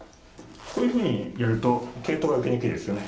こういうふうにやると桂頭が受けにくいですよね。